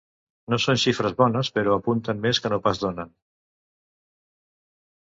No són xifres bones, però apunten més que no pas donen.